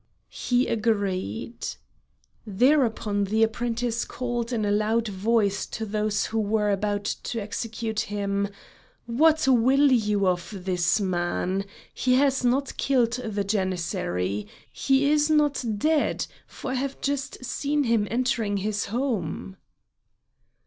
He agreed. Thereupon the apprentice called in a loud voice to those who were about to execute him: "What will you of this man? He has not killed the Janissary; he is not dead, for I have just seen him entering his home."